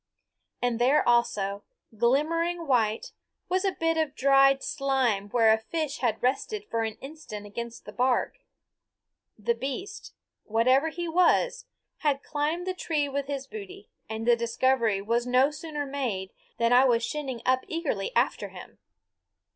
And there also, glimmering white, was a bit of dried slime where a fish had rested for an instant against the bark. The beast, whatever he was, had climbed the tree with his booty; and the discovery was no sooner made than I was shinning up eagerly after him.